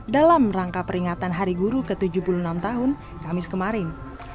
dalam rangka peringatan hari guru ke tujuh puluh enam tahun kamis kemarin